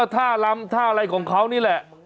ท่าลำท่าอะไรของเขานี่แหละ